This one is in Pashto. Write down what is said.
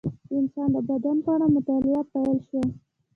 د انسان د بدن په اړه مطالعه پیل شوه.